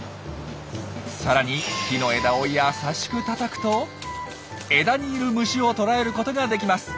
さらに木の枝を優しく叩くと枝にいる虫を捕らえることができます。